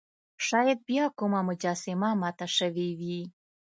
شاید بیا کومه مجسمه ماته شوې وي.